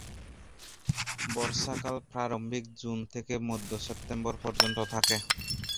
বর্ষাকাল প্রারম্ভিক জুন থেকে মধ্য-সেপ্টেম্বর পর্যন্ত থাকে।